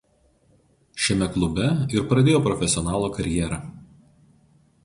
Šiame klube ir pradėjo profesionalo karjerą.